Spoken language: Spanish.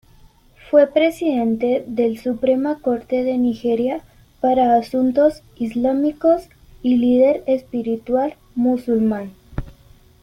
Fue Presidente del Suprema Corte de Nigeria para Asuntos Islámicos y líder espiritual musulmán.